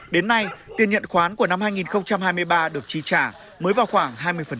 đến nay tiền nhận khoán của năm hai nghìn hai mươi ba được chi trả mới vào khoảng hai mươi